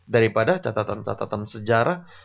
daripada catatan catatan sejarah